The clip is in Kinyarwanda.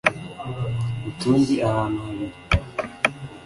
utundi ahantu habiri